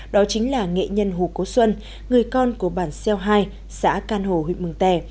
đó chính là nghệ nhân hù cố xuân người con của bản xeo hai xã can hồ huyện mừng tè